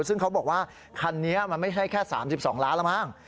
ซึ่งเขาบอกว่าคันนี้มันไม่ใช่แค่๓๒ล้านแล้วมั้ง